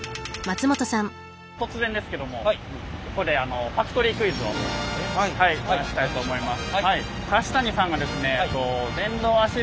突然ですけどもここでファクトリークイズを出したいと思います。